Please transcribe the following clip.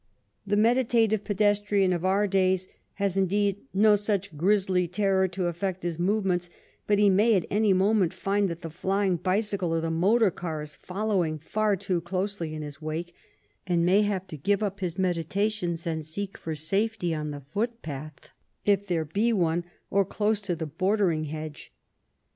^' The meditative pedestrian of our days has, indeed, no such grisly terror to affect his movements, but he may, at any moment, find that the flying bicycle or the motor car is following far too closely in his wake, and may have to give up his meditations and seek for safety on the foot path, if there be one, or close to the bordering hedge.